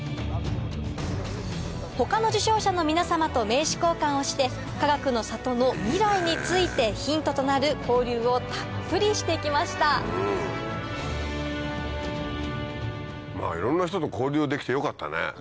他の受賞者の皆様と名刺交換をしてかがくの里の未来についてヒントとなる交流をたっぷりして来ましたいろんな人と交流できてよかったね。